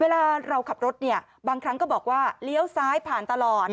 เวลาเราขับรถเนี่ยบางครั้งก็บอกว่าเลี้ยวซ้ายผ่านตลอด